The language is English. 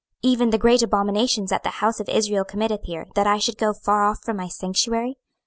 even the great abominations that the house of Israel committeth here, that I should go far off from my sanctuary?